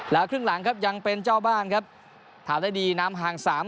แล้วครึ่งหลังครับยังเป็นเจ้าบ้านครับถามได้ดีน้ำห่างสาม